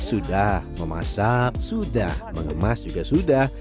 sudah memasak sudah mengemas juga sudah